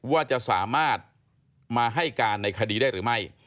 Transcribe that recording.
ว่าจะสามารถมาให้การในคดีได้หรือไม่